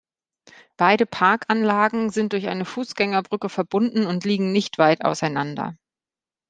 Beide Parkanlagen sind durch eine Fußgängerbrücke verbunden und liegen nicht weit auseinander.